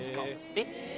えっ？